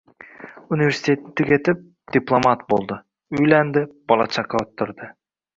Universitetni tugatib, diplomat bo`ldi, uylandi, bola-chaqa orttirdi